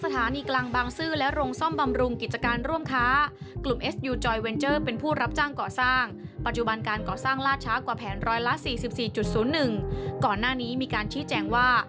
ติดตามจากรายงานค่ะ